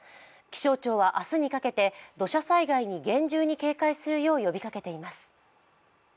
気象庁は明日にかけて土砂災害に厳重に警戒するよう呼びかけています。